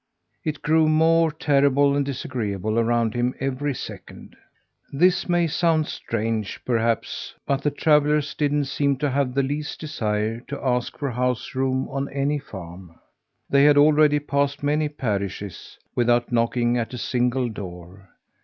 It grew more terrible and disagreeable around him every second. This may sound strange, perhaps, but the travellers didn't seem to have the least desire to ask for house room on any farm. They had already passed many parishes without knocking at a single door.